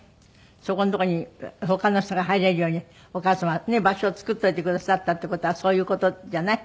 そこのとこに他の人が入れるようにお母様ねえ場所を作っておいてくださったっていう事はそういう事じゃない。